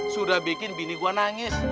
sudah bikin bini gue nangis